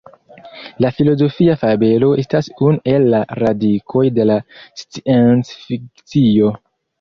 La filozofia fabelo estas unu el la "radikoj" de la sciencfikcio.